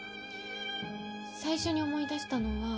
最初に思い出したのは